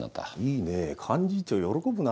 いいね幹事長喜ぶな。